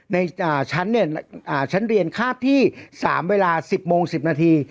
ในชั้นเรียนคาดที่๓เวลา๑๐โมง๑๐นาที